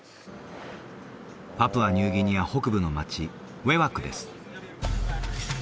パプアニューギニア北部の町ウェワクです